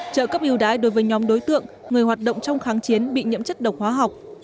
trợ cấp yêu đái đối với nhóm đối tượng người hoạt động trong kháng chiến bị nhiễm chất độc hóa học